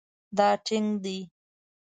دا ټینګ دی